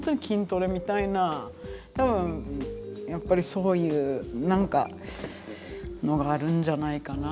多分やっぱりそういう何かのがあるんじゃないかな。